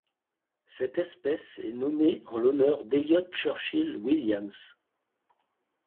Cette espèce est nommée en l'honneur d'Eliot Churchill Williams.